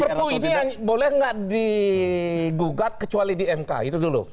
pertu ini boleh enggak digugat kecuali di mk itu dulu